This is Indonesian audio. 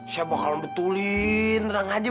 saya bakal membetulin tenang aja bu